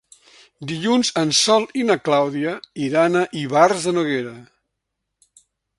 Dilluns en Sol i na Clàudia iran a Ivars de Noguera.